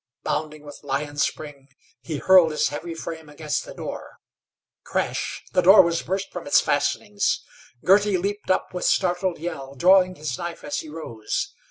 Bounding with lion spring he hurled his heavy frame against the door. Crash! The door was burst from its fastenings. Girty leaped up with startled yell, drawing his knife as he rose.